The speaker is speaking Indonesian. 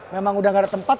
memang udah gak ada tempat